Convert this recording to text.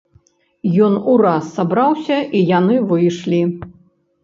Ён ураз сабраўся, і яны выйшлі.